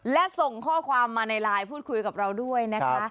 และส่งข้อความมาในไลน์พูดคุยกับเราด้วยนะคะ